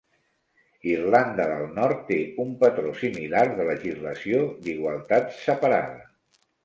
Irlanda del Nord té un patró similar de legislació d'igualtat "separada".